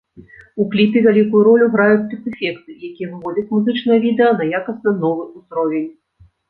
У кліпе вялікую ролю граюць спецэфекты, якія выводзяць музычнае відэа на якасна новы ўзровень.